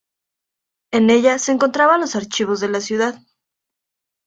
En ella se encontraban los archivos de la ciudad.